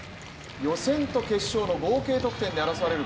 予選と決勝の合計得点で争われる